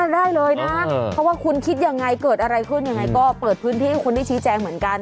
ได้เลยนะเพราะว่าคุณคิดยังไงเกิดอะไรขึ้นยังไงก็เปิดพื้นที่ให้คุณได้ชี้แจงเหมือนกัน